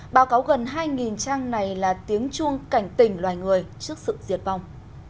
báo cáo gần hai trang này là tiếng chuông cảnh tỉnh loài người trước sự diệt vong